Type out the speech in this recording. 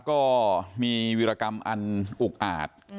ก็มีวิรกรรมอันอุกอาจ